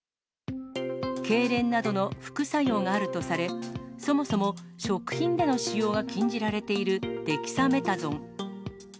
けいれんなどの副作用があるとされ、そもそも食品での使用が禁じられているデキサメタゾン。